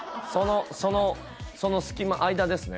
そのその隙間間ですね